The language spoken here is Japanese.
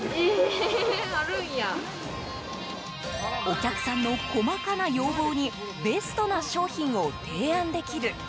お客さんの細かな要望にベストな商品を提案できる。